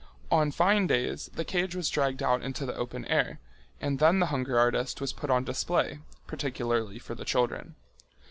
On fine days the cage was dragged out into the open air, and then the hunger artist was put on display particularly for the children.